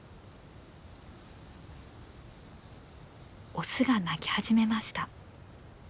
オスが鳴き始めました。